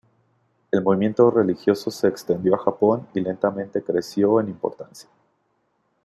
El movimiento religioso se extendió a Japón y lentamente creció en importancia.